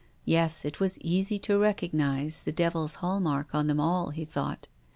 Yes, it was easy to recognise the Devil's hall mark on them all, he thought.